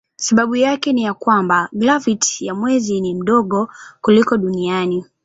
Sababu yake ni ya kwamba graviti ya mwezi ni ndogo kuliko duniani.